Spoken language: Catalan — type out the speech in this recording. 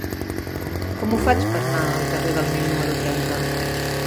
Com ho faig per anar al carrer del Nil número trenta?